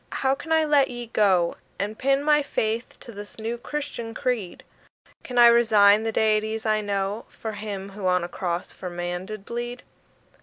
how can I let ye go And pin my faith to this new Christian creed? Can I resign the deities I know For him who on a cross for man did bleed?